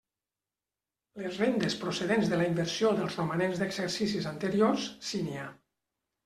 Les rendes procedents de la inversió dels romanents d'exercicis anteriors, si n'hi ha.